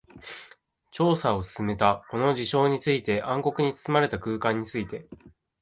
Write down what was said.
調査を進めた。この事象について、暗黒に包まれた空間について。